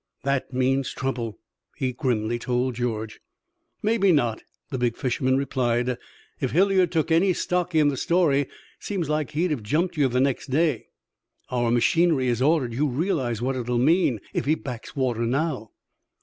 "That means trouble," he grimly told George. "Maybe not," the big fisherman replied. "If Hilliard took any stock in the story, it seems like he'd have jumped you the next day." "Our machinery is ordered. You realize what it will mean if he backs water now?"